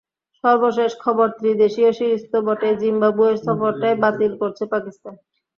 সর্বশেষ খবর, ত্রিদেশীয় সিরিজ তো বটেই, জিম্বাবুয়ে সফরটাই বাতিল করছে পাকিস্তান।